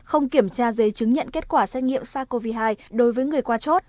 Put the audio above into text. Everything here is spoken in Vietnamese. không kiểm tra giấy chứng nhận kết quả xét nghiệm sars cov hai đối với người qua chốt